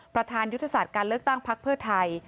ประธานยุทธศาสตร์การเลือกตั้งพักเพื่อไทย